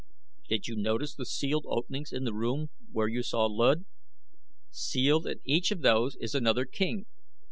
Did you notice the sealed openings in the room where you saw Luud? Sealed in each of those is another king.